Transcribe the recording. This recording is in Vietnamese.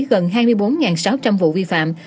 gần hai mươi bốn sáu trăm linh vụ vi phạm